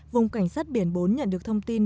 vùng cảnh sát biển bốn nhận được thông tin